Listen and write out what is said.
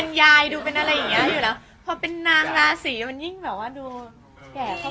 และครอบครัวผมให้อะไรมา